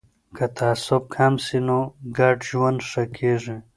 که تعصب کم سي نو ګډ ژوند ښه کیږي.